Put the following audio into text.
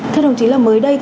thưa đồng chí mới đây